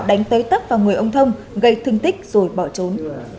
đánh tới tấp vào người ông thông gây thương tích rồi bỏ trốn